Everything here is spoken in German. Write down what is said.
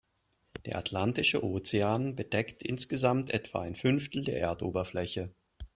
Der Atlantische Ozean bedeckt insgesamt etwa ein Fünftel der Erdoberfläche.